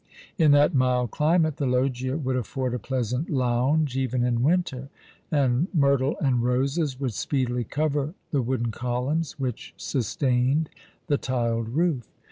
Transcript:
In that mild climate the loggia would afford a pleasant lounge even in winter, and myrtle and roses would speedily cover the wooden columns w^hich sustained the tiled roof.